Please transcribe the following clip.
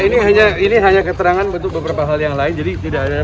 ini hanya ini hanya keterangan betul beberapa hal yang lain jadi tidak ada